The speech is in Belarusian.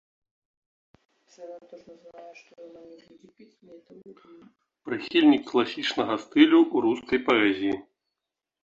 Прыхільнік класічнага стылю ў рускай паэзіі.